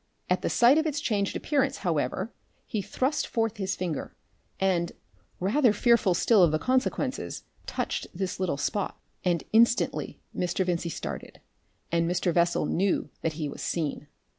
At the sight of its changed appearance, however, he thrust forth his finger, and, rather fearful still of the consequences, touched this little spot. And instantly Mr. Vincey started, and Mr. Bessel knew that he was seen.